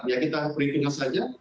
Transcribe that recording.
ya kita perhitungan saja